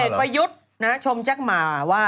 ผลเอกประยุทธ์นะชมแจ๊กหมาว่า